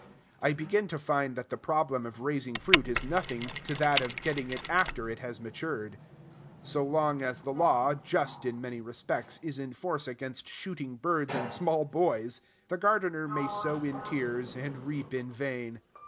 I begin to find that the problem of raising fruit is nothing to that of getting it after it has matured. So long as the law, just in many respects, is in force against shooting birds and small boys, the gardener may sow in tears and reap in vain.